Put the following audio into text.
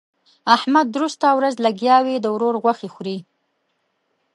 احمد درسته ورځ لګيا وي؛ د ورور غوښې خوري.